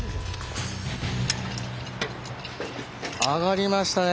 上がりましたね。